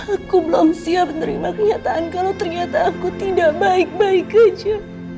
aku belum siap menerima kenyataan kalau ternyata aku tidak baik baik aja